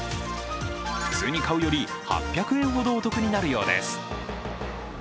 普通に買うより８００円ほどお得になるようです。